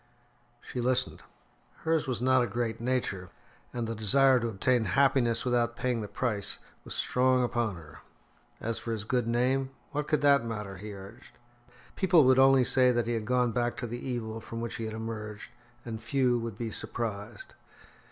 She listened. Hers was not a great nature, and the desire to obtain happiness without paying the price was strong upon her. As for his good name, what could that matter? he urged. People would only say that he had gone back to the evil from which he had emerged, and few would be surprised.